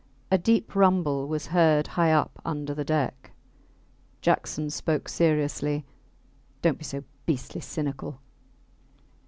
A deep rumble was heard high up under the deck. Jackson spoke seriously Dont be so beastly cynical.